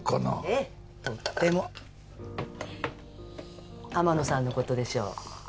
ええとっても天野さんのことでしょう？